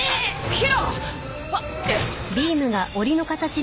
宙！